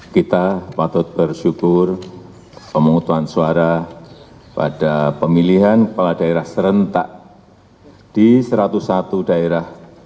kita patut bersyukur pemungutan suara pada pemilihan kepala daerah serentak di satu ratus satu daerah